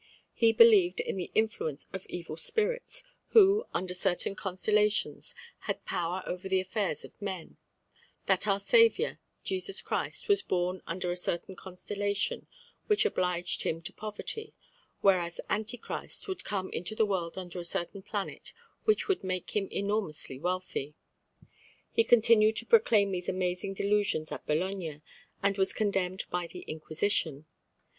He believed in the influence of evil spirits, who, under certain constellations, had power over the affairs of men; that our Saviour, Jesus Christ, was born under a certain constellation which obliged Him to poverty; whereas Antichrist would come into the world under a certain planet which would make him enormously wealthy. He continued to proclaim these amazing delusions at Bologna, and was condemned by the Inquisition.